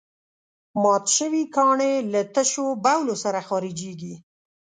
مات شوي کاڼي له تشو بولو سره خارجېږي.